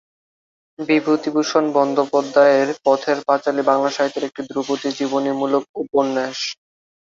বিভূতিভূষণ বন্দ্যোপাধ্যায়ের "পথের পাঁচালী" বাংলা সাহিত্যের একটি ধ্রুপদী জীবনীমূলক উপন্যাস।